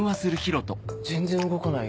全然動かない。